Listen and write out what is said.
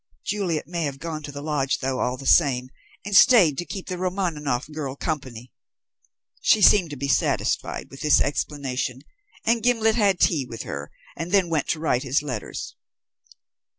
Juliet may have gone to the lodge though, all the same, and stayed to keep the Romaninov girl company." She seemed to be satisfied with this explanation; and Gimblet had tea with her, and then went to write his letters.